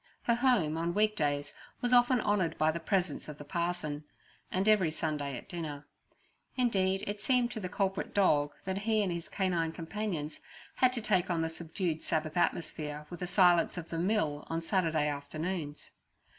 Her home on week days was often honoured by the presence of the parson, and every Sunday at dinner. Indeed, it seemed to the culprit dog that he and his canine companions had to take on the subdued Sabbath atmosphere with the silence of the mill on Saturday afternoons.